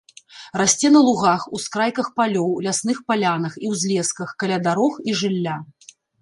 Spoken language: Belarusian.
Расце на лугах, ускрайках палёў, лясных палянах і ўзлесках, каля дарог і жылля.